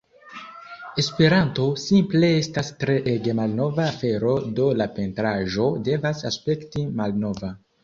Esperanto simple estas tre ege malnova afero do la pentraĵo devas aspekti malnova.